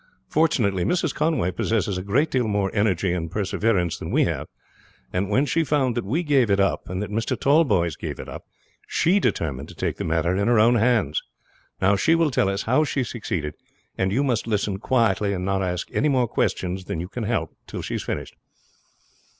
Fortunately Mrs. Conway possesses a great deal more energy and perseverance than we have, and when she found that we gave it up, and that Mr. Tallboys gave it up, she determined to take the matter in her own hands. Now she will tell us how she has succeeded, and you must listen quietly and not ask more questions than you can help till she has finished."